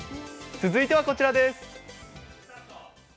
続いてはこちらです。